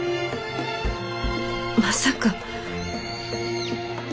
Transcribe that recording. まさか。